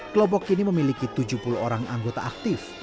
kelompok ini memiliki tujuh puluh orang anggota aktif